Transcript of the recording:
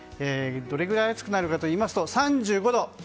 どれぐらい暑くなるかというと３５度。